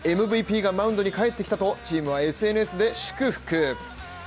ＭＶＰがマウンドに帰ってきたとチームはＳＮＳで祝福。